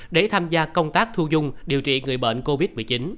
để tham gia công tác thu dung điều trị người bệnh covid một mươi chín